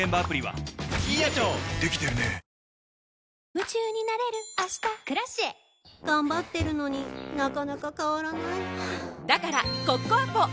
夢中になれる明日「Ｋｒａｃｉｅ」頑張ってるのになかなか変わらないはぁだからコッコアポ！